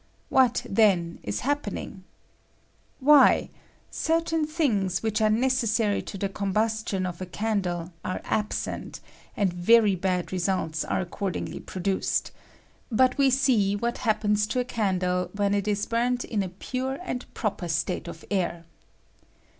Wbat, then, ia happening? Why, certain an I I i. 48 DIFFERENT CONDITIONS OP FLAME, things which are necessary to the combustion of a candle are absent, and very bad results are accordingly produced ; but we see what happens to a candle when it is burnt in a pure and prop er state of air.